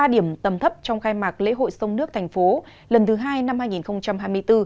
ba điểm tầm thấp trong khai mạc lễ hội sông nước thành phố lần thứ hai năm hai nghìn hai mươi bốn